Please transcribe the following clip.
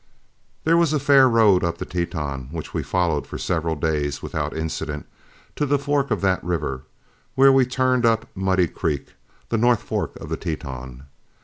There was a fair road up the Teton, which we followed for several days without incident, to the forks of that river, where we turned up Muddy Creek, the north fork of the Teton.